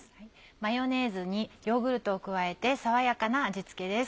マヨネーズにヨーグルトを加えて爽やかな味付けです。